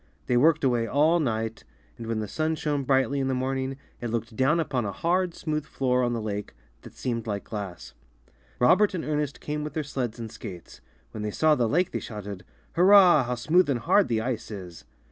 They worked away all night, and when the sun shone brightly in the morning, it looked down upon a hard, smooth floor on the lake, that seemed like glass. Robert and Ernest came with their sleds and skates. When they saw the lake they shouted, '^Hurrah! how smooth and hard the ice is!"